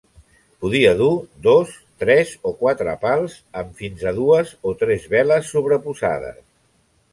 Podia dur dos, tres o quatre pals, amb fins a dues o tres veles sobreposades.